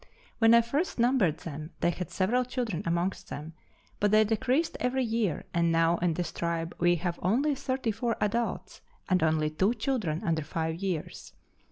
When I first numbered them they had several children amongst them, but they decreased every year, and now in this tribe we have only 34 adults and only two children under five years.